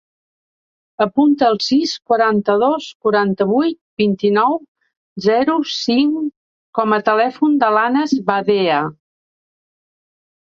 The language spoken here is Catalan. Apunta el sis, quaranta-dos, quaranta-vuit, vint-i-nou, zero, cinc com a telèfon de l'Anas Badea.